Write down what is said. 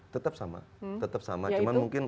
tetap sama tetap sama cuman mungkin